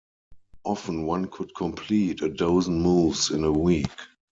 Often one could complete a dozen moves in a week.